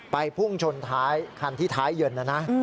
ไปพุ่งชนท้ายคันที่ท้ายเย็น